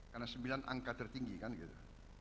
karena sembilan angka tertinggi kan gitu